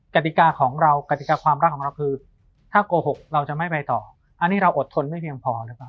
กติกาของเรากติกาความรักของเราคือถ้าโกหกเราจะไม่ไปต่ออันนี้เราอดทนไม่เพียงพอหรือเปล่า